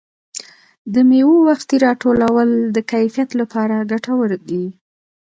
د مېوو وختي راټولول د کیفیت لپاره ګټور دي.